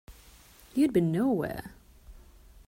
You’d be nowhere.